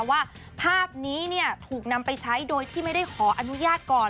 ว่าภาพนี้ถูกนำไปใช้โดยที่ไม่ได้ขออนุญาตก่อน